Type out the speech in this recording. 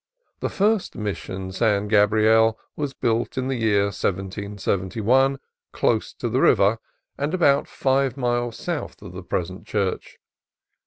The first Mission San Gabriel was built in the year 1771, close to the river, and about five miles south of the present church.